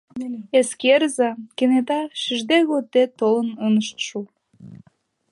Эскерыза, кенета, шижде-годде толын ынышт шу.